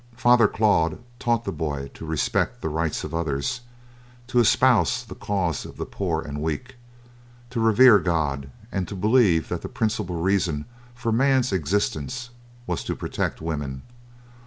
Father Claude taught the boy to respect the rights of others, to espouse the cause of the poor and weak, to revere God and to believe that the principal reason for man's existence was to protect woman.